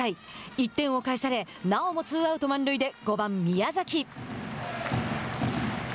１点を返されなおもツーアウト、満塁で５番宮崎。